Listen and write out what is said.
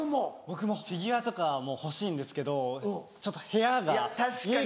僕もフィギュアとかも欲しいんですけどちょっと部屋が家が実家。